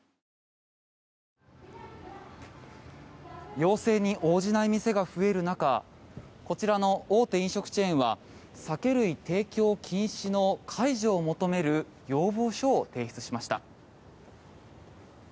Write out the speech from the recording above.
要請に応じない店が増える中こちらの大手飲食チェーンは酒類提供禁止の解除を求める要望書を提出しました。